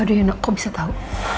bagaimana kau tahu